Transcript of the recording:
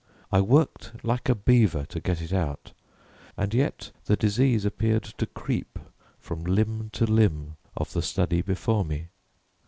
I worked like a beaver to get it out, and yet the disease appeared to creep from limb to limb of the study before me.